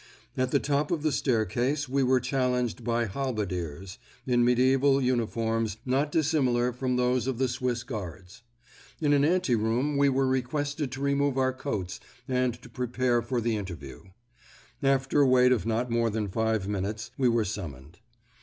At the top of the staircase we were challenged by halbardiers, in medieval uniforms not dissimilar from those of the Swiss Guards. In an ante room we were requested to remove our coats and to prepare for the interview. After a wait of not more than five minutes, we were summoned.